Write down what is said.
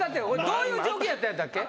どういう状況やったんやっけ？